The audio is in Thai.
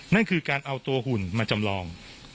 นั่นคือการเอาตัวหุ่นมาจำลอง